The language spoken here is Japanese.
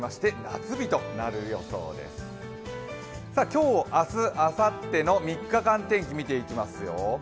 今日、明日、あさっての３日間天気を見ていきますよ。